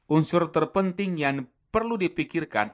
unsur terpenting yang perlu dipikirkan